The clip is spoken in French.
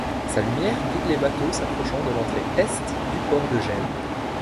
Sa lumière guide les bateaux s'approchant de l'entrée est du port de Gênes.